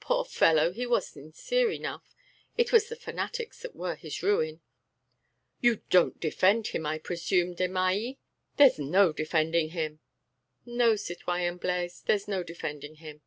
"Poor fellow! he was sincere enough. It was the fanatics were his ruin." "You don't defend him, I presume, Desmahis!... There's no defending him." "No, citoyen Blaise, there's no defending him."